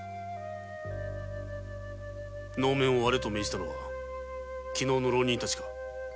能面を割れと命じたのは昨夜の浪人たちか？